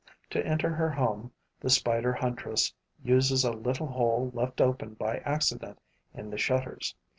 To enter her home, the spider huntress uses a little hole left open by accident in the shutters.